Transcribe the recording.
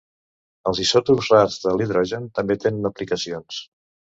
Els isòtops rars de l'hidrogen també tenen aplicacions.